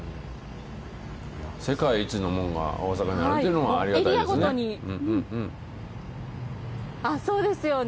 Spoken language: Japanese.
世界一のもんが大阪にあるというのがありがたいですね。